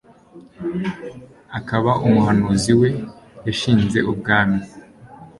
akaba umuhanuzi we; yashinze ubwami